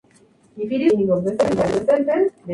Siendo joven, su sueño era ser futbolista, pero fue un fracaso.